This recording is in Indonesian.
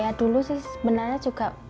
ya dulu sih sebenarnya juga